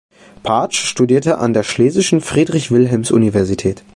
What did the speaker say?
Partsch studierte an der Schlesischen Friedrich-Wilhelms-Universität.